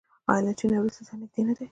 آیا له چین او روسیې سره نږدې نه دي؟